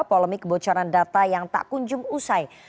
polemik kebocoran data yang tak kunjung usai